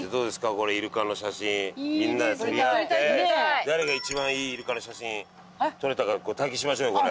これイルカの写真みんなで撮り合って誰が一番いいイルカの写真撮れたか対決しましょうよこれ。